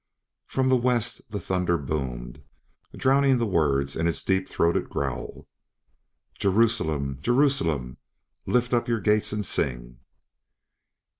From the west the thunder boomed, drowning the words in its deep throated growl. "Jerusalem, Jerusalem, lift up your gates and sing."